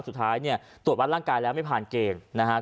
สุดท้ายเนี่ยตรวจวัดร่างกายแล้วไม่ผ่านเกณฑ์นะครับ